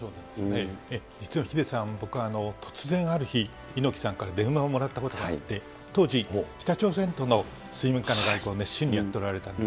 実はヒデさん、僕、突然ある日、猪木さんから電話をもらったことがあって、当時、北朝鮮との水面下の外交を熱心にやっておられた。